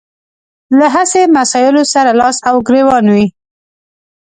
له هسې مسايلو سره لاس او ګرېوان وي.